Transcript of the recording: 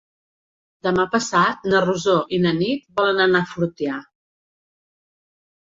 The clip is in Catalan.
Demà passat na Rosó i na Nit volen anar a Fortià.